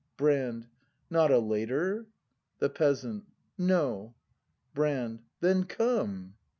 Brand. Not a later ? The Peasant. No. Brand. Then come!